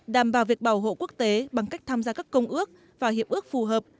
đảm bảo việc bảo hộ quốc tế bằng cách tham gia các công ước và hiệp ước phù hợp